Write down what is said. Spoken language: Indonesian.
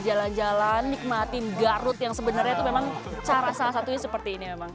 jalan jalan nikmatin garut yang sebenarnya itu memang cara salah satunya seperti ini emang